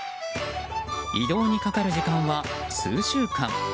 移動にかかる時間は数週間。